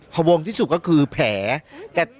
พวงที่สุดก็คือแผล